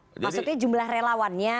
maksudnya jumlah relawannya